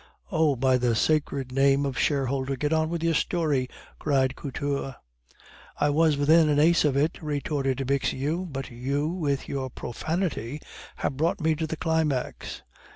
"Oh! by the sacred name of shareholder, get on with your story!" cried Couture. "I was within an ace of it," retorted Bixiou, "but you with your profanity have brought me to the climax."